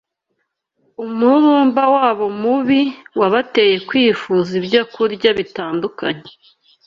Umururumba wabo mubi wabateye kwifuza ibyokurya bitandukanye